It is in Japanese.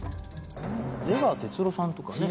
出川哲朗さんとかね。